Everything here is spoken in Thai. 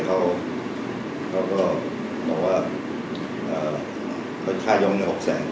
เขาก็บอกว่าค่ายกเนี่ย๖๐๐๐๐๐บาท